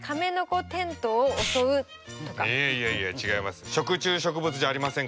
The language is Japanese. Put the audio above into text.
いやいや違います。